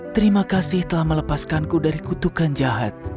terima kasih telah melepaskanku dari kutukan jahat